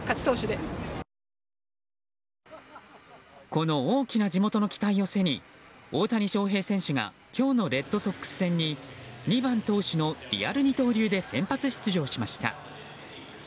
この大きな地元の期待を背に大谷翔平選手が今日のレッドソックス戦に２番投手のリアル二刀流で先発出場しました。